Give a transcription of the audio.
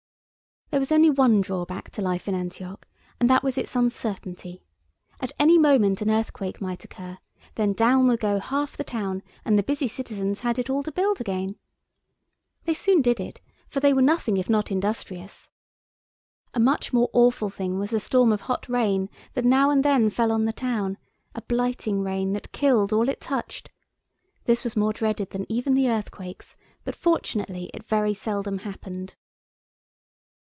There was only one drawback to life in Antioch, and that was its uncertainty. At any moment an earthquake might occur, then down would go half the town, and the busy citizens had it all to build again. They soon did it, for they were nothing if not industrious. A much more awful thing was the storm of hot rain that now and then fell on the town, a blighting rain that killed all it touched. This was more dreaded than even the earthquakes, but fortunately it very seldom happened.